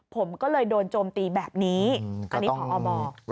ผมก็เลยโดนโจมตีแบบนี้อันนี้พอบอก